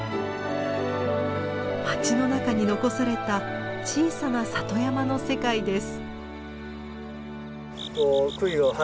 町の中に残された小さな里山の世界です。